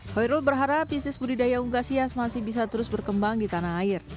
hoirul berharap bisnis budidaya unggas hias masih bisa terus berkembang di tanah air